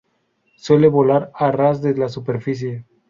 Suele volar a ras de la superficie.